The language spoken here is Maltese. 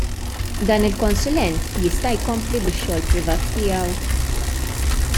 Dan il-konsulent jista' jkompli bix-xogħol privat tiegħu?